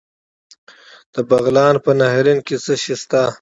د بغلان په نهرین کې څه شی شته؟